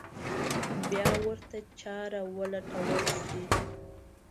بیا ورته چاره ولټول شي.